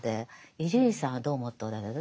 伊集院さんはどう思っておられる？